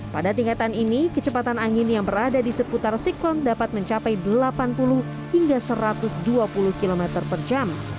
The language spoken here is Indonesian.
pada tingkatan ini kecepatan angin yang berada di seputar siklon dapat mencapai delapan puluh hingga satu ratus dua puluh km per jam